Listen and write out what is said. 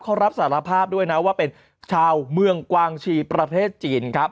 เขารับสารภาพด้วยนะว่าเป็นชาวเมืองกวางชีประเทศจีนครับ